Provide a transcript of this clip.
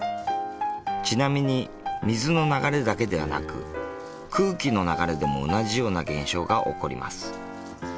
ちなみに水の流れだけではなく空気の流れでも同じような現象が起こります。